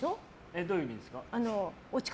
どういう意味ですか？